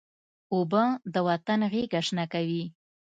اوبه د وطن غیږه شنه کوي.